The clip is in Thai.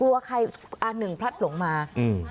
ใครอ่าหนึ่งพลัดหลงมาอืม